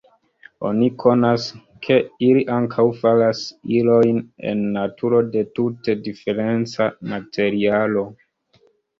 Oni konas, ke ili ankaŭ faras ilojn en naturo de tute diferenca materialo.